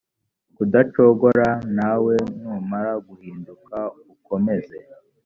kudacogora nawe numara guhinduka ukomeze